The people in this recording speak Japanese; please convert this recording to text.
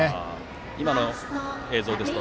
今の映像ですと